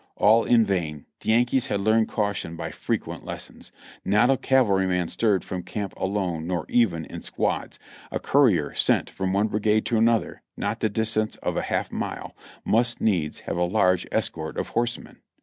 All in vain, the Yankees had learned caution by fre quent lessons. Not a cavalryman stirred from camp alone nor even in squads. A courier sent from one brigade to another, not the distance of a half mile, nnist needs have a large escort of horsemen.